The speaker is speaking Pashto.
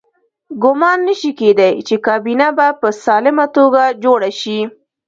ګمان نه شي کېدای چې کابینه به په سالمه توګه جوړه شي.